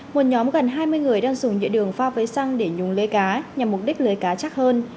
một nhóm gần hai mươi người đang dùng nhựa đường pha với xăng để nhúng lưới cá nhằm mục đích lưới cá chắc hơn